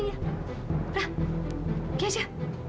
nah gini aja